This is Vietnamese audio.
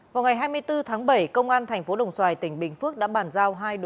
vào ngày hai mươi bốn tháng bảy công an tp đồng xoài tỉnh bình phước đã bàn giao hai triệu đồng